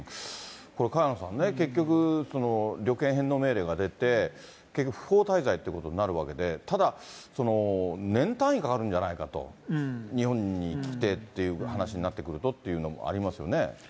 これ、萱野さんね、結局、旅券返納命令が出て、結局、不法滞在ってことになるわけで、ただ、年単位かかるんじゃないかと、日本に来てっていう話になってくるとっていうのもありますよね。